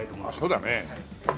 そうだね。